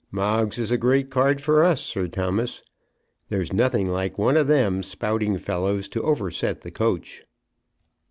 Moggs is a great card for us, Sir Thomas. There's nothing like one of them spouting fellows to overset the coach."